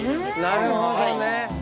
なるほどね！